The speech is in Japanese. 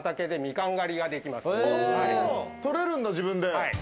取れるんだ、自分で。